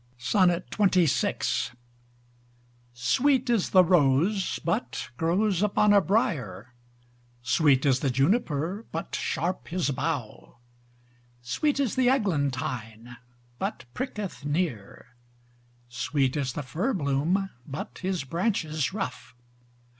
XXVI Sweet is the rose, but grows upon a briar; Sweet in the Juniper, but sharp his bough; Sweet is the Eglantine, but pricketh near; Sweet is the firbloom, but his branches rough.